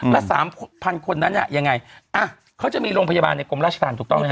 แล้วสามพันคนนั้นเนี้ยยังไงอ่ะเขาจะมีโรงพยาบาลในกรมราชธรรมถูกต้องไหมฮะ